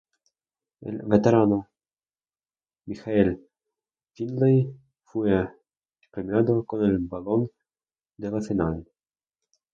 El veterano Michael Finley fue premiado con el balón de la Final.